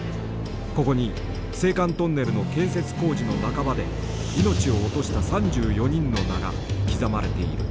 ここに青函トンネルの建設工事の仲間で命を落とした３４人の名が刻まれている。